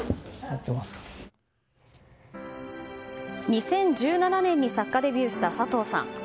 ２０１７年に作家デビューした佐藤さん。